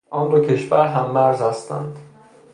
آن دو کشور هممرز هستند.